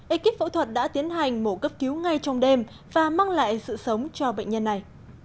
ekip phẫu thuật đã tiến hành mổ cấp cứu ngay trong đêm và mang lại sự sống cho bệnh nhân này